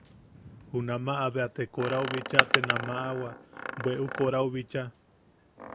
Junamaʼa bea te korau bicha te namaʼawa, bweʼu korau bicha.